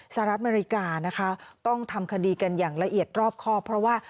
สหรัฐอเมริกานะคะต้องทำคดีกันอย่างละเอียดรอบครอบเพราะว่า